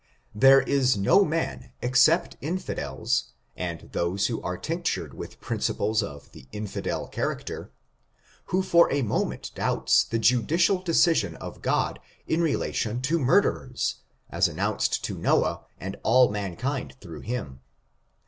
There is no man except infidels, and those who are tinctured with principles of the infidel character, who for a moment doubts the judicial decision of God in relation to murderers, as announced to Noah, and all mankind through him.